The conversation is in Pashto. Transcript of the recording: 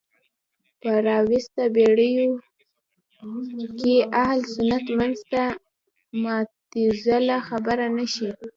په راوروسته پېړيو کې اهل سنت منځ کې معتزله خبره نه شي